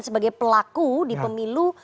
sebagai pelaku di pemilu